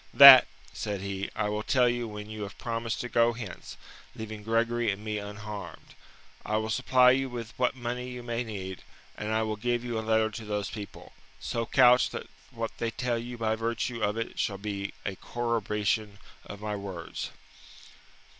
"That," said he, "I will tell you when you have promised to go hence, leaving Gregory and me unharmed. I will supply you with what money you may need, and I will give you a letter to those people, so couched that what they tell you by virtue of it shall be a corroboration of my words."